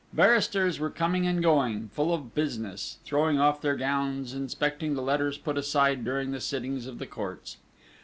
Barristers were coming and going, full of business, throwing off their gowns, inspecting the letters put aside during the sittings of the Courts.